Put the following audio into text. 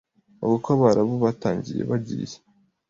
avuga ko Abarabu batangiyebagiye